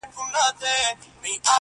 • زور د شلو انسانانو ورسره وو -